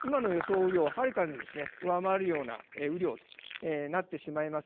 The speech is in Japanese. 雨量をはるかに上回るような雨量になってしまいます。